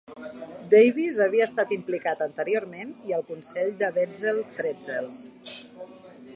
Davis havia estat implicat anteriorment i al consell de Wetzel's Pretzels.